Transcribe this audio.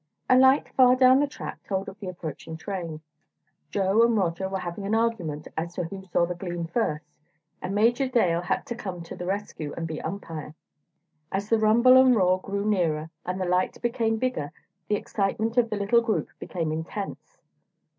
A light far down the track told of the approaching train. Joe and Roger were having an argument as to who saw the gleam first and Major Dale had to come to the rescue and be umpire. As the rumble and roar grew nearer, and the light became bigger, the excitement of the little group became intense.